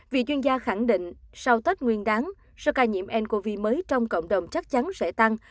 vì chuyên gia khẳng định sau tết nguyên đáng số ca nhiễm ncov mới trong cộng đồng chắc chắn sẽ tăng